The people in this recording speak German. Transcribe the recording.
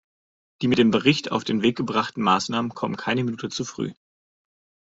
Die mit dem Bericht auf den Weg gebrachten Maßnahmen kommen keine Minute zu früh.